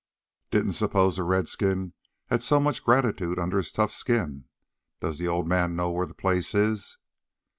"Didn't suppose a redskin had so much gratitude under his tough skin. Does the old man know where the place is?"